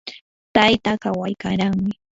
tayta kawaykanraami.